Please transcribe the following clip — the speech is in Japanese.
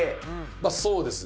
まあそうですね。